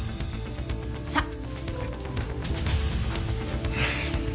さあ！